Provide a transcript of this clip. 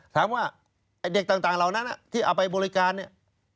ไอ้เด็กต่างเหล่านั้นที่เอาไปบริการเนี่ย